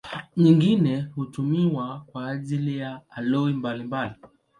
Nyingine hutumiwa kwa ajili ya aloi mbalimbali.